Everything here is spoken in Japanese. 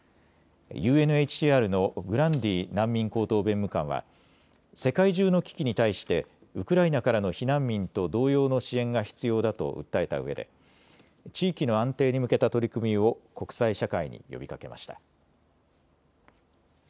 ＵＮＨＣＲのグランディ難民高等弁務官は世界中の危機に対してウクライナからの避難民と同様の支援が必要だと訴えたうえで地域の安定に向けた取り組みを国際社会に呼びかけました。